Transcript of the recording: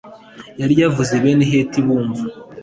Yari yavuze bene heti bumva